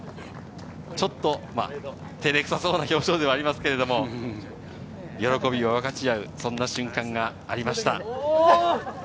ちょっと照れくさそうな表情ではありますけれども、喜びを分かち合う瞬間がありました。